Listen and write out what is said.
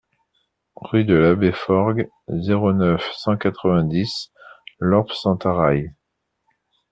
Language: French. Rue de l'Abbé Forgues, zéro neuf, cent quatre-vingt-dix Lorp-Sentaraille